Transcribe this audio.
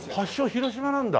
広島なんだ。